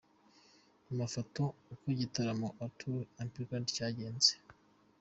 Mu mafoto ukoigitaramo Arthur amplified cyagenze.